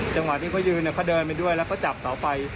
จังหวะที่เขายืนเขาเดินไปด้วยแล้วก็จับเสาไฟ